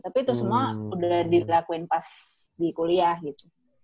tapi itu semua udah dilakuin pas di kuliah gitu